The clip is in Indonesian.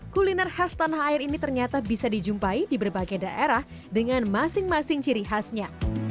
kuliner khas tanah air ini ternyata bisa dijumpai di berbagai daerah dengan masing masing ciri khasnya